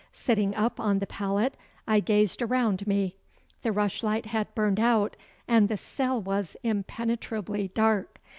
Sitting up on the pallet I gazed around me. The rushlight had burned out and the cell was impenetrably dark.